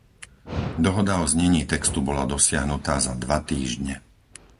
Dohoda o znení textu bola dosiahnutá za dva týždne.